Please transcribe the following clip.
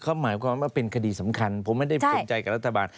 เขาหมายความว่าเป็นคดีสำคัญผมไม่ได้สนใจกับรัฐบาล